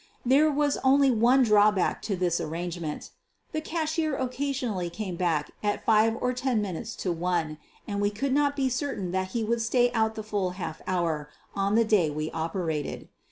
There was only one drawback to this arrange ment — the cashier occasionally came back at five or ten minutes to one, and we could not be certain that he would stay out the full half hour on the day we operated.